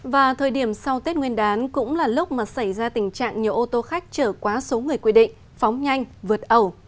và thời điểm sau tết nguyên đán cũng là lúc mà xảy ra tình trạng nhiều ô tô khách trở quá số người quy định phóng nhanh vượt ẩu